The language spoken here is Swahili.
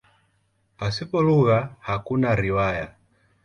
Pasipo lugha hakuna riwaya.